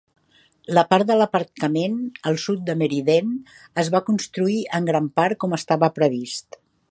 La part de l'aparcament al sud de Meriden es va construir en gran part com estava previst.